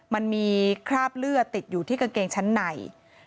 มันมีคราบเลือดติดอยู่ที่กางเกงชั้นใน